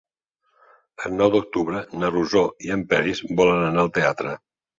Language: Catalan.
El nou d'octubre na Rosó i en Peris volen anar al teatre.